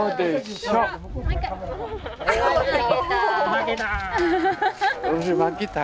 負けた？